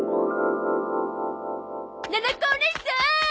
ななこおねいさん！